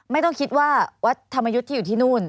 ไม่ต้องคิดว่าวัดธรรมยุทธ์ที่อยู่ที่นู่น